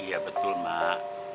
iya betul mak